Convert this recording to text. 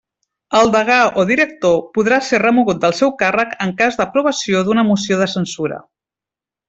El degà o director podrà ser remogut del seu càrrec en cas d'aprovació d'una moció de censura.